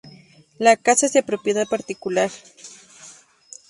La casa es de propiedad particular.